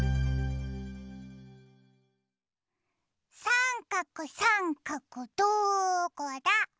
さんかくさんかくどこだ？